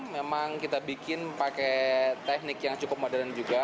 memang kita bikin pakai teknik yang cukup modern juga